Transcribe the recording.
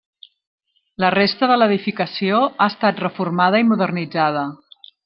La resta de l'edificació ha estat reformada i modernitzada.